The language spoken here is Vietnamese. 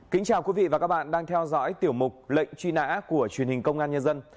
kính chào quý vị và các bạn đang theo dõi tiểu mục lệnh truy nã của truyền hình công an nhân dân